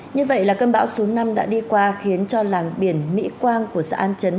như vậy là cơn bão số năm đã đi qua khiến cho làng biển mỹ quang của xã an chấn